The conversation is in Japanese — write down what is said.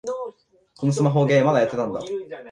このスマホゲー、まだやってたんだ